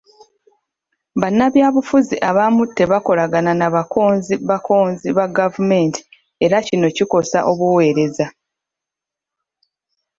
Bannabyabufuzi abamu tebakolagana na bakonzi bakonzi ba gavumenti era kino kikosa obuweereza.